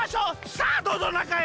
さあどうぞなかへ！